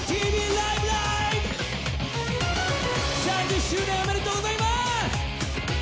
ライブ！」、３０周年、おめでとうございます！